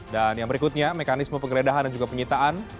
dan yang berikutnya mekanisme penggeledahan dan juga penyitaan